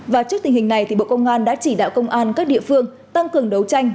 và trước tình hình này bộ công an đã chỉ đạo công an các địa phương tăng cường đấu tranh